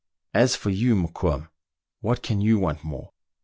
As for you, Mokoum, what can you want more.